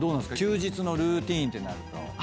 休日のルーティンってなると。